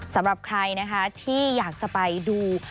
สำหรับใครที่อยากไปดู